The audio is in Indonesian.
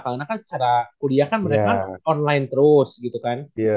karena kan secara kuliah kan mereka online terus gitu kan